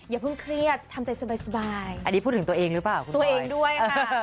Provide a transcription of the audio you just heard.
อย่าเพิ่งเครียดทำใจสบาย